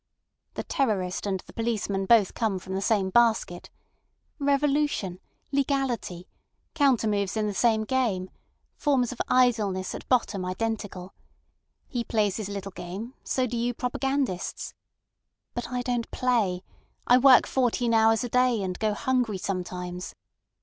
The terrorist and the policeman both come from the same basket. Revolution, legality—counter moves in the same game; forms of idleness at bottom identical. He plays his little game—so do you propagandists. But I don't play; I work fourteen hours a day, and go hungry sometimes.